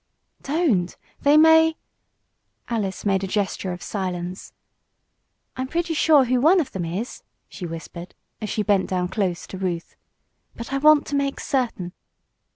"Don't. They may " Alice made a gesture of silence. "I'm pretty sure who one of them is," she whispered, as she bent down close to Ruth. "But I want to make certain."